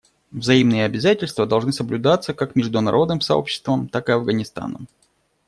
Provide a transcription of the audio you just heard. Взаимные обязательства должны соблюдаться как международным сообществом, так и Афганистаном.